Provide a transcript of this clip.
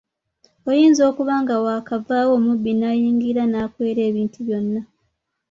Oyinza okuba nga wakavaawo omubbi nayingira nakwera ebintu byonna.